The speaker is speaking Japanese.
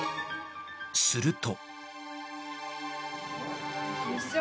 すると。